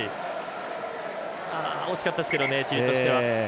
惜しかったですけどねチリとしては。